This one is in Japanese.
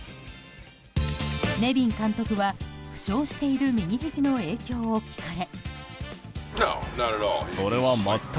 ネビン監督は、負傷している右ひじの影響を聞かれ。